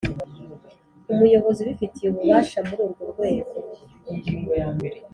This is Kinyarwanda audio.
umuyobozi ubifitiye ububasha muri urwo urwego